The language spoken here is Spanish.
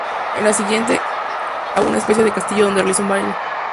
Él la sigue a una especie de castillo donde realiza un baile.